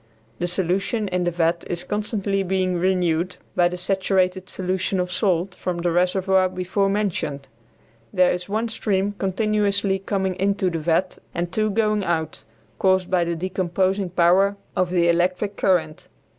The solution in the vat is constantly being renewed by the saturated solution of salt from the reservoir before mentioned. There is one stream continuously coming into the vat and two going out, caused by the decomposing power of the electric current.